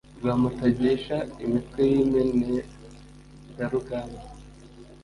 Rwamutagisha imitwe y' Imenerarugamba